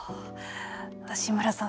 新村さん